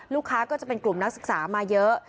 ก็จะเป็นกลุ่มนักศึกษามาเยอะ